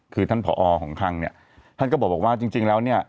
คือท่านผอของคลังเนี่ยท่านก็บอกว่าจริงแล้วเนี่ย